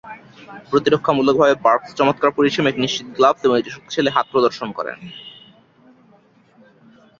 প্রতিরক্ষামূলকভাবে, barks চমৎকার পরিসীমা, একটি নিশ্চিত গ্লাভস এবং একটি শক্তিশালী হাত প্রদর্শন করেন।